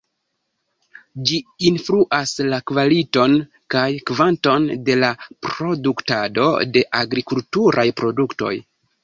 Ĝi influas la kvaliton kaj kvanton de la produktado de agrikulturaj produktoj.